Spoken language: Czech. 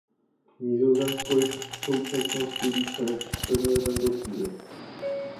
Nizozemsko již v současnosti více než splňuje tento cíl.